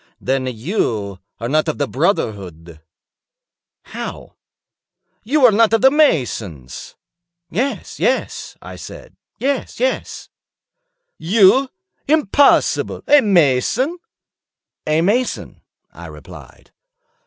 "Then you are not of the brotherhood." "How?" "You are not of the masons." "Yes, yes," I said, "yes, yes." "You? Impossible! A mason?" "A mason," I replied.